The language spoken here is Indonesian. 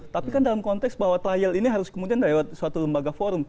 tapi kan dalam konteks bahwa trial ini harus kemudian lewat suatu lembaga forum